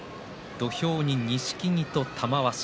土俵に錦木と玉鷲。